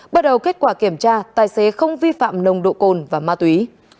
bắt đầu kết quả kiểm tra tài xế không vi phạm nồng độ cồn và ma túy